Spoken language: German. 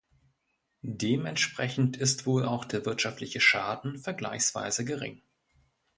Dementsprechend ist wohl auch der wirtschaftliche Schaden vergleichsweise gering.